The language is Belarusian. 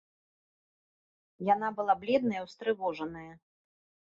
Яна была бледная, устрывожаная.